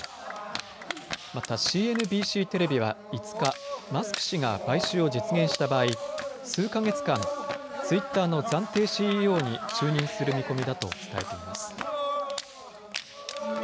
またＣＮＢＣテレビは５日、マスク氏が買収を実現した場合、数か月間、ツイッターの暫定ＣＥＯに就任する見込みだと伝えています。